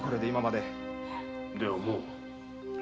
ではもう。